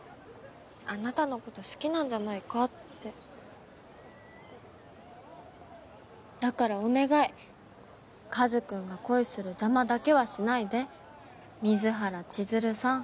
あなたのこと好きなんじゃないかってだからお願い和くんが恋する邪魔だけはしないで水原千鶴さん